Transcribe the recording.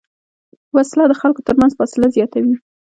وسله د خلکو تر منځ فاصله زیاتوي